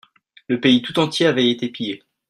Le pays tout entier avait été pillé.